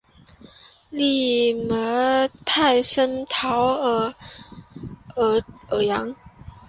利什派森陶多尔扬。